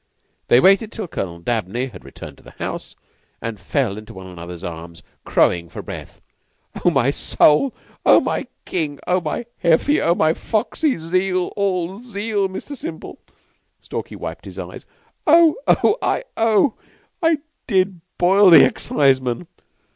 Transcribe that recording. They waited till Colonel Dabney had returned to the house, and fell into one another's arms, crowing for breath. "Oh, my Soul! Oh, my King! Oh, my Heffy! Oh, my Foxy! Zeal, all zeal, Mr. Simple." Stalky wiped his eyes. "Oh! Oh! Oh! 'I did boil the exciseman!